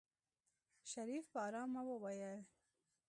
شريف په آرامه وويل.